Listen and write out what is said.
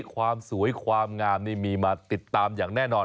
ความสวยความงามนี่มีมาติดตามอย่างแน่นอน